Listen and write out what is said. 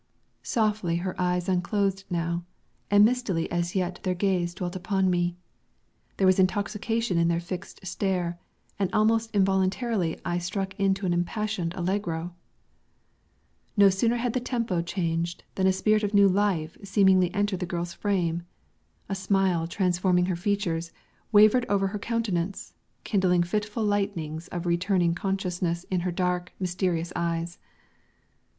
Softly her eyes unclosed now, and mistily as yet their gaze dwelt upon me. There was intoxication in their fixed stare, and almost involuntarily I struck into an impassioned allegro. No sooner had the tempo changed than a spirit of new life seemingly entered the girl's frame. A smile, transforming her features, wavered over her countenance, kindling fitful lightnings of returning consciousness in her dark, mysterious eyes.